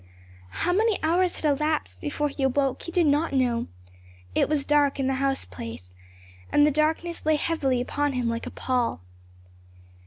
How many hours had elapsed before he awoke he did not know; it was dark in the house place, and the darkness lay heavily upon him like a pall.